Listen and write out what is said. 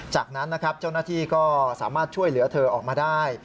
จากนั้นนะครับเจ้าหน้าที่ก็สามารถช่วยเหลือเธอออกมาได้